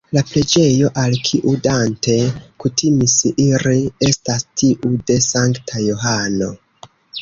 La preĝejo, al kiu Dante kutimis iri, estas tiu de Sankta Johano.